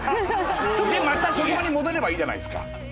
でまた戻ればいいじゃないですか。